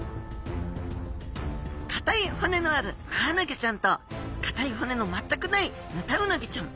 かたい骨のあるマアナゴちゃんとかたい骨の全くないヌタウナギちゃん。